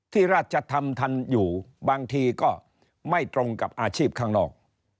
ราชธรรมทันอยู่บางทีก็ไม่ตรงกับอาชีพข้างนอก